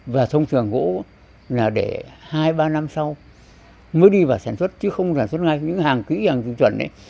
và thông thường gỗ là để hai ba năm sau mới đi vào sản xuất chứ không sản xuất ngay những hàng kỹ hàng chuẩn ấy